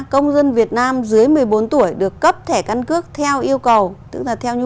ba công dân việt nam dưới một mươi bốn tuổi được cấp thẻ căn cước theo yêu cầu